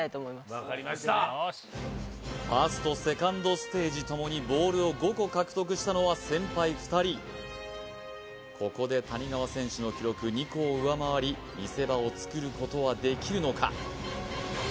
分かりましたファーストセカンドステージともにボールを５個獲得したのは先輩２人ここで谷川選手の記録２個を上回り見せ場をつくることはできるのか？